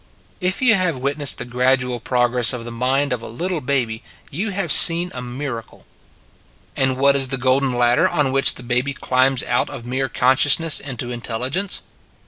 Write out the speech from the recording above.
If you have witnessed the gradual prog ress of the mind of a little baby, you have seen a miracle. And what is the golden ladder on which the baby climbs out of mere consciousness into intelligence?